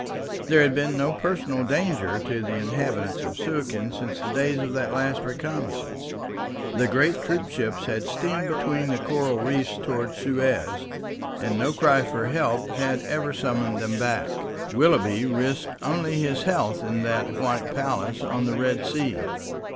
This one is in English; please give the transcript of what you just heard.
There had been no personal danger to the inhabitants of Suakin since the days of that last reconnaissance. The great troop ships had steamed between the coral reefs towards Suez, and no cry for help had ever summoned them back. Willoughby risked only his health in that white palace on the Red Sea.